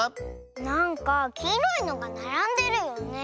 なんかきいろいのがならんでるよね。